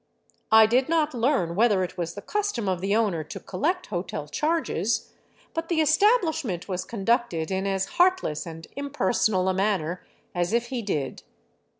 I did not learn whether it was the custom of the owner to collect hotel charges, but the establishment was con ducted in as heartless and impersonal a manner as if he did.